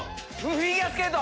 フィギュアスケート！